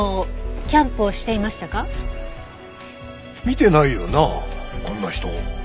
見てないよなあこんな人。